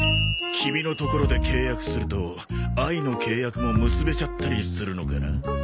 キミのところで契約すると愛の契約も結べちゃったりするのかな？